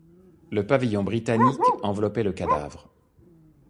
Le pavillon britannique enveloppait le cadavre.